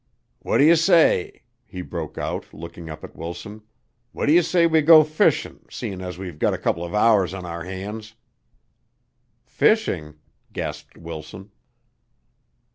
"What d' ye say," he broke out, looking up at Wilson, "what d' ye say to goin' fishin', seein' as we've gut a couple of hours on our hands?" "Fishing?" gasped Wilson.